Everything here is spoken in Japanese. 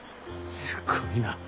すごいな。